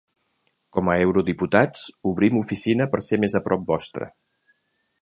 Com a eurodiputats obrim oficina per ser més a prop vostre.